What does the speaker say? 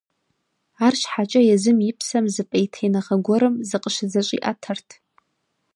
Арщхьэкӏэ езым и псэм зы пӏейтеиныгъэ гуэрым зыкъыщызэщӏиӏэтэрт.